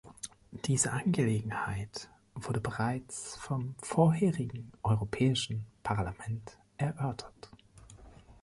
Diese Angelegenheit wurde bereits vom vorherigen Europäischen Parlament erörtert.